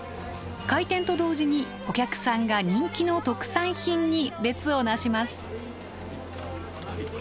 開店と同時にお客さんが人気の特産品に列をなします。